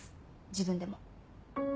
自分でも。